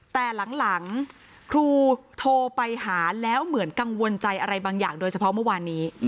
แต่หลังครูโทรไปหาแล้วเหมือนกังวลใจอะไรบางอย่างโดยเฉพาะเมื่อวานนี้